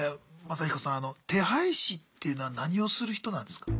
マサヒコさん手配師っていうのは何をする人なんですか？